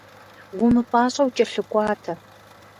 Умыпӏащӏэу кӏэлъыкӏуатэ.